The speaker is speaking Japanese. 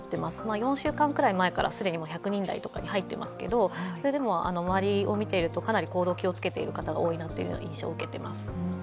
４週間くらい前から既に１００人台とかに入っていますけど、それでも周りを見ていると、かなり行動を気をつけている方が多いという印象です。